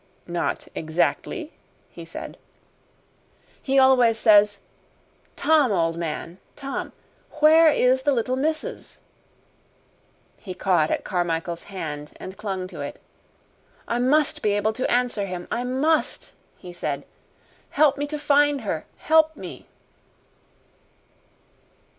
"Not exactly," he said. "He always says, 'Tom, old man Tom where is the Little Missus?'" He caught at Carmichael's hand and clung to it. "I must be able to answer him I must!" he said. "Help me to find her. Help me."